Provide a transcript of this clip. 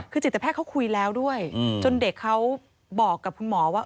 คือจิตแพทย์เขาคุยแล้วด้วยจนเด็กเขาบอกกับคุณหมอว่า